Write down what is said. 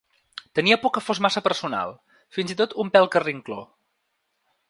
Tenia por que fos massa personal, fins i tot un pèl carrincló.